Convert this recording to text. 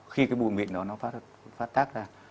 khi cái bụi mịn đó nó phát tác ra